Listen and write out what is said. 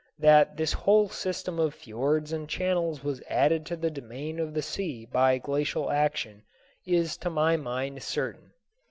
That this whole system of fiords and channels was added to the domain of the sea by glacial action is to my mind certain.